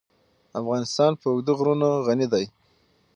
افغانستان په اوږده غرونه غني دی.